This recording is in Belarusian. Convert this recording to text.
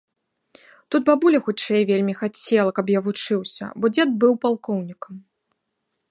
Тут бабуля хутчэй вельмі хацела, каб я вучыўся, бо дзед быў палкоўнікам.